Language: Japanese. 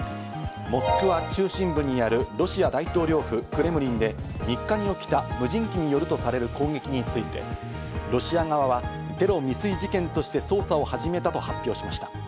モスクワ中心部にあるロシア大統領府クレムリンで、３日に起きた無人機によるとされる攻撃について、ロシア側はテロ未遂事件として捜査を始めたと発表しました。